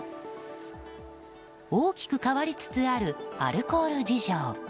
大きく変わりつつあるアルコール事情。